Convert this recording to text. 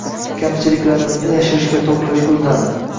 Kamchiliklarimizni yashirishga, to‘g‘irlashga urinadi.